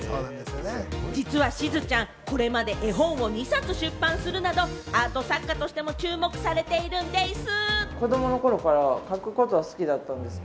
実はしずちゃん、これまで絵本を２冊出版するなど、アート作家としても注目されているんでぃす！